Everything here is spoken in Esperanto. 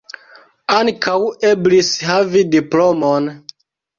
Ankaŭ eblis havi diplomon.